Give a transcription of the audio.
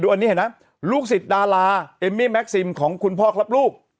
อันนี้เห็นไหมลูกศิษย์ดาราเอมมี่แม็กซิมของคุณพ่อครับลูก